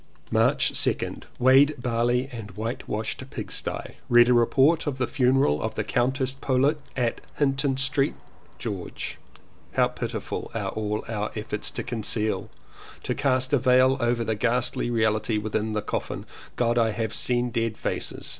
March 2d. Weighed barley and whitewashed pigsty. Read a report of the funeral of the Countess Poulett at Hinton St. George. How pitiful are all our efforts to conceal, to cast a veil over the ghastly reality within the coffin. God! I have seen dead faces.